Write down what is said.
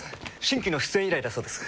新規の出演依頼だそうです。